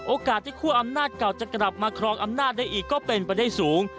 โอกาสที่คั่วอำนาจเก่าจะกลับมาครองอำนาจได้อีกก็เป็นไปได้สูง